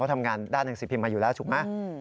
ทำงานด้านหนังสือพิมพ์มาอยู่แล้วถูกไหม